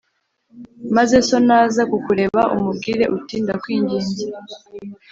maze so naza kukureba umubwire uti ‘Ndakwinginze